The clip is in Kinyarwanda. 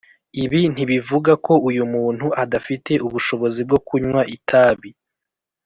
Ibi ntibivuga ko uyu muntu adafite ubushobozi bwo kunywa itabi